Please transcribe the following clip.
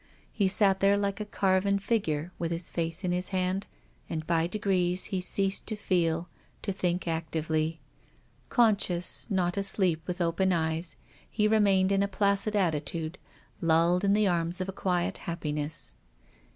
He sat there like a carvcn figure with his face in his hand. And, by degrees, he ceased to feel, to think actively. Conscious, not asleep, with oi)cn eyes he remained in a placid attitude, lulled in the arms of a quiet happiness.